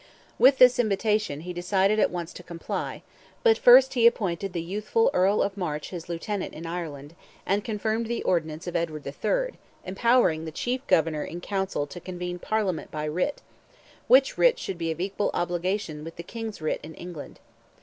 With this invitation he decided at once to comply, but first he appointed the youthful Earl of March his lieutenant in Ireland, and confirmed the ordinance of Edward III., empowering the chief governor in council to convene parliament by writ, which writ should be of equal obligation with the King's writ in England.